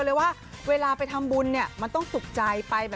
เออนะเอาส่วนเคล็ดลับมูลยังไง